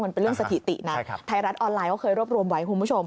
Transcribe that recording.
มันเป็นเรื่องสถิตินะไทยรัฐออนไลน์เขาเคยรวบรวมไว้คุณผู้ชม